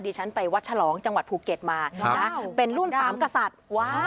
ฉันไปวัดฉลองจังหวัดภูเก็ตมาเป็นรุ่นสามกษัตริย์